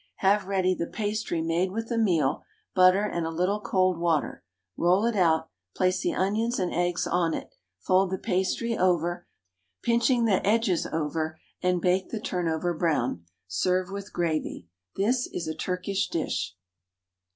Have ready the pastry made with the meal, butter, and a little cold water, roll it out, place the onions and eggs on it, fold the pastry over, pinching the edges over, and bake the turnover brown. Serve with gravy. This is a Turkish dish.